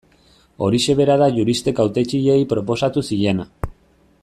Horixe bera da juristek hautetsiei proposatu ziena.